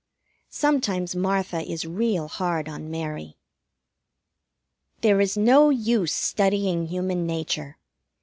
Sometimes Martha is real hard on Mary. There is no use studying Human Nature.